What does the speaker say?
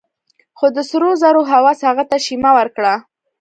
خو د سرو زرو هوس هغه ته شيمه ورکړه.